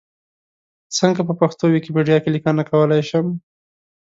څنګه په پښتو ویکیپېډیا کې لیکنه کولای شم؟